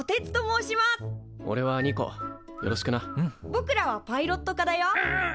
ぼくらはパイロット科だよ。